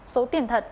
số tiền thật